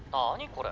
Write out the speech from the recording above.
これ。